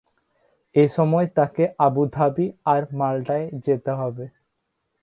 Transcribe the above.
এ সময় তাঁকে আবুধাবি আর মাল্টায় যেতে হবে।